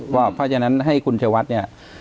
เพราะฉะนั้นให้คุณชัยวัดเนี่ย